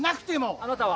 あなたは？